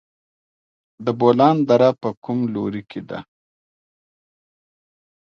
د بولان دره په کوم لوري کې ده؟